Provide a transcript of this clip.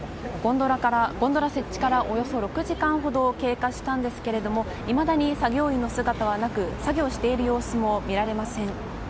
ゴンドラ設置からおよそ６時間ほど経過したんですがいまだに作業員の姿はなく作業している様子も見られません。